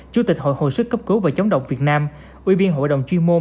chủ tịch hội hồi sức cấp cứu và chống độc việt nam ủy viên hội đồng chuyên môn